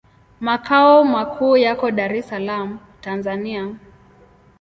Makao makuu yako Dar es Salaam, Tanzania.